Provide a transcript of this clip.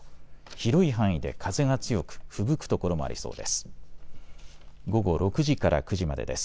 広い範囲で風が強く、ふぶく所もありそうです。